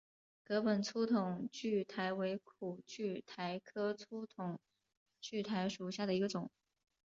革叶粗筒苣苔为苦苣苔科粗筒苣苔属下的一个种。